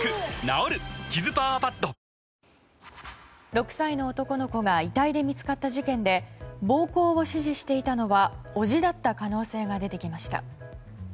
６歳の男の子が遺体で見つかった事件で暴行を指示していたのは叔父だった可能性が出てきました。